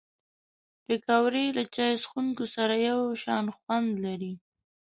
پکورې له چای څښونکو سره یو شان خوند لري